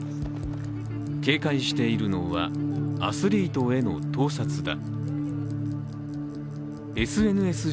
警戒しているのはアスリートへの盗撮だ。